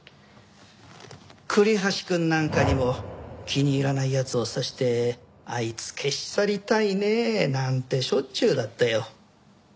栗橋くんなんかにも気に入らない奴を指して「あいつ消し去りたいねえ」なんてしょっちゅうだったよ。